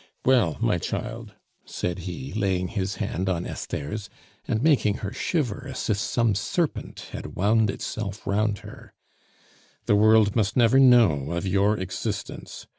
"Well, my child," said he, laying his hand on Esther's, and making her shiver as if some serpent had wound itself round her, "the world must never know of your existence.